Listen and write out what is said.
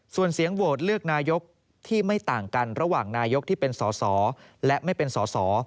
ส่วนเสียงโหวตเลือกนายกที่ไม่ต่างกันระหว่างนายกที่เป็นสอสอและไม่เป็นสอสอ